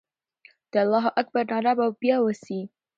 د الله اکبر ناره به بیا وسي.